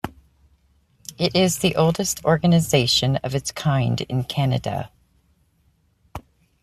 It is the oldest organization of its kind in Canada.